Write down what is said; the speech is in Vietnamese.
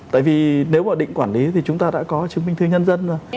tại vì nếu mà định quản lý thì chúng ta đã có chứng minh thư nhân dân